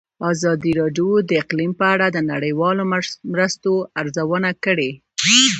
ازادي راډیو د اقلیم په اړه د نړیوالو مرستو ارزونه کړې.